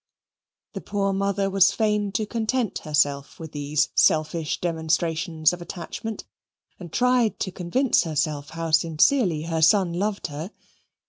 The poor mother was fain to content herself with these selfish demonstrations of attachment, and tried to convince herself how sincerely her son loved her.